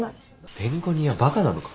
弁護人はバカなのか？